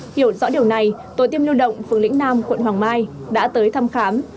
hiểu rõ điều này tổ tiêm lưu động phường lĩnh nam quận hoàng mai đã tới thăm khám